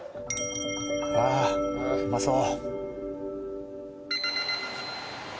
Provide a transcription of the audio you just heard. ああうまそう。